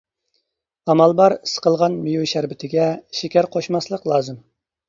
ئامال بار سىقىلغان مېۋە شەربىتىگە شېكەر قوشماسلىق لازىم.